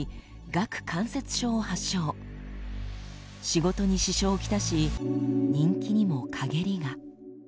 仕事に支障を来し人気にも陰りが。